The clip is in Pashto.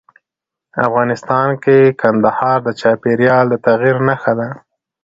افغانستان کې کندهار د چاپېریال د تغیر نښه ده.